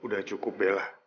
udah cukup bella